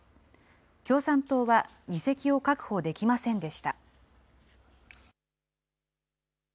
共産党は議席を確保できませんでした。